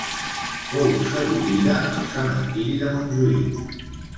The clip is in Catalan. Fou sebollida al Cementiri de Montjuïc.